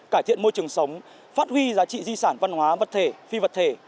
cải thiện môi trường sống phát huy giá trị di sản văn hóa vật thể phi vật thể